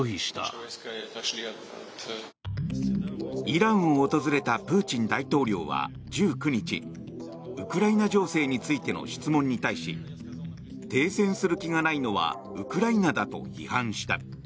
イランを訪れたプーチン大統領は１９日ウクライナ情勢についての質問に対し停戦する気がないのはウクライナだと批判した。